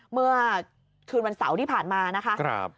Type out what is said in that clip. เมื่อคืนวันเสาร์ที่ผ่านมานะคะ